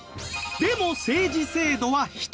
でも政治制度は１つ。